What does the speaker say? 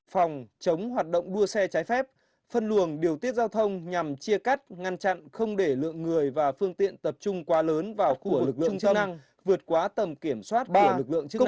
phòng chống hoạt động đua xe trái phép phân luồng điều tiết giao thông nhằm chia cắt ngăn chặn không để lượng người và phương tiện tập trung quá lớn vào khu vực trung tâm vượt quá tầm kiểm soát của lực lượng chức năng